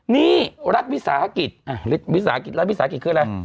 นี่รัฐวิสาหกิจรัฐวิสาหกิจคืออะไร